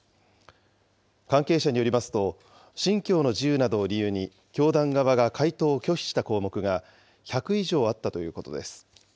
関係者によりますと、信教の自由などを理由に、教団側が回答を拒否した項目が１００以上あったということです。